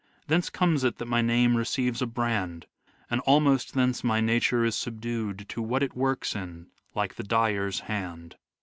Thence comes it that my name receives a brand, And almost thence my nature is subdued To what it works in, like the dyer's hand."